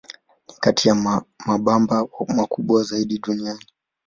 Ni kati ya mabamba makubwa zaidi duniani.